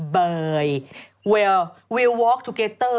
เบยวีลวีลวอลกทูเกตเตอร์